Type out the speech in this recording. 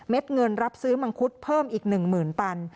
เงินรับซื้อมังคุดเพิ่มอีก๑๐๐๐ตัน